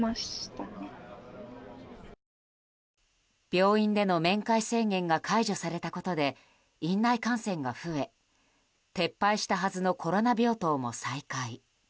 病院での面会制限が解除されたことで院内感染が増え撤廃したはずのコロナ病棟も再開。